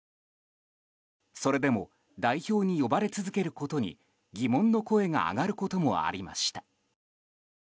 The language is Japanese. それでも代表に呼ばれ続けることに疑問の声が上がることもありました。